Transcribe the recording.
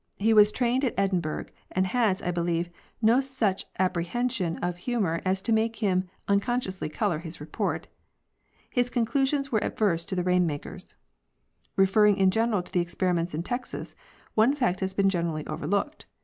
He was trained in Edinburgh and has, I believe, no such appreciation of humor as to make him unconsciously color his report. His conelu sions were adverse to the rain makers. Referring in general to the experiments in Texas, one fact has been generally overlooked.